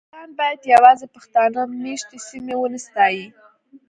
شاعران باید یوازې پښتانه میشتې سیمې ونه ستایي